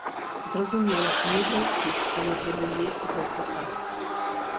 Зразумела, не для ўсіх, але для мяне гэта так.